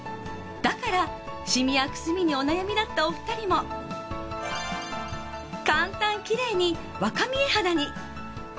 だからシミやくすみにお悩みだったお二人も簡単きれいに若見え肌に。